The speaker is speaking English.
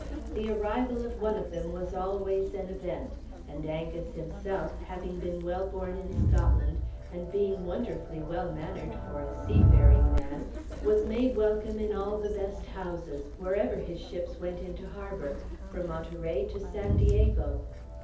The arrival of one of them was always an event; and Angus himself, having been well born in Scotland, and being wonderfully well mannered for a seafaring man, was made welcome in all the best houses, wherever his ships went into harbor, from Monterey to San Diego.